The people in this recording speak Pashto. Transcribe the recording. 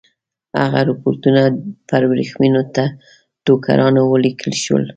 هغه رپوټونه پر ورېښمینو ټوکرانو ولیکل شول.